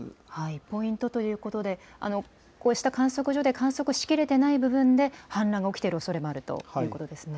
ポイントということで、こうした観測所で観測しきれてない部分で、氾濫が起きているおそれもあるということですね。